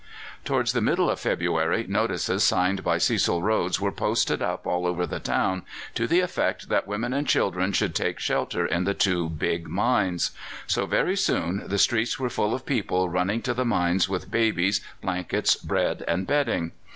Towards the middle of February notices signed by Cecil Rhodes were posted up all over the town to the effect that women and children should take shelter in the two big mines. So very soon the streets were full of people running to the mines with babies, blankets, bread, and bedding.